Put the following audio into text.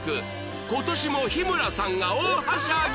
今年も日村さんが大はしゃぎ！